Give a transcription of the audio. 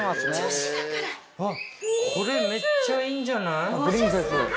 あっこれめっちゃいいんじゃない？